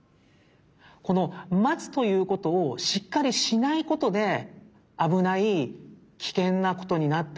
このまつということをしっかりしないことであぶないきけんなことになったり